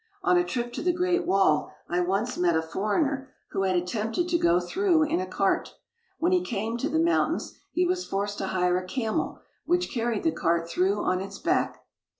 On a trip to the Great Wall, I once met a foreigner who had attempted to go through in a cart. When he came to the mountains, he was forced to hire a camel, which carried the cart through on its back.